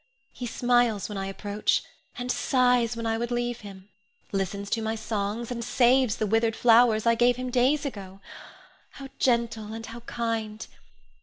He smiles when I approach, and sighs when I would leave him; listens to my songs, and saves the withered flowers I gave him days ago. How gentle and how kind!